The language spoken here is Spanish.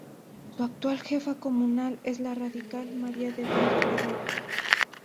Su actual Jefa Comunal es la radical María del Valle Herrera.